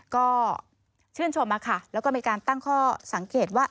ก็ชื่นชมค่ะแล้วก็มีการตั้งข้อสังเกตว่า